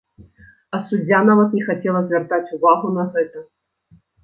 А суддзя нават не хацела звяртаць увагу на гэта!